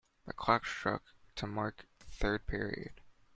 The clock struck to mark the third period.